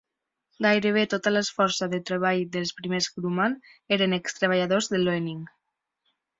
Gairebé tota la força de treball dels primers Grumman eren ex-treballadors de Loening.